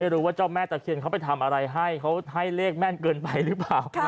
เจ้าแม่ตะเคียนเขาไปทำอะไรให้เขาให้เลขแม่นเกินไปหรือเปล่า